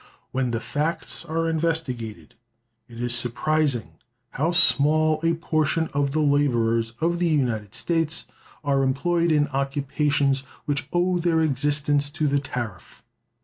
When the facts are investigated, it is surprising how small a portion of the laborers of the United States are employed in occupations which owe their existence to the tariff.